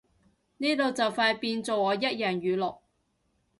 呢度就快變做我一人語錄